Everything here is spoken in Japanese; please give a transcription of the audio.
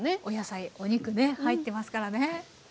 お野菜お肉ね入ってますからね。